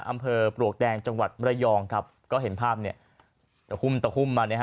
ปลวกแดงจังหวัดระยองครับก็เห็นภาพเนี่ยตะคุ่มตะคุ่มมานะฮะ